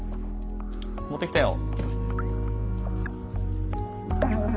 持ってきたよ。